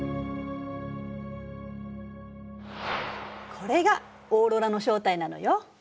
これがオーロラの正体なのよ。